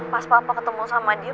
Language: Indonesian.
pas bapak ketemu sama dia